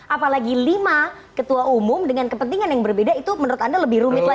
apalagi lima ketua umum dengan kepentingan yang berbeda itu menurut anda lebih rumit lagi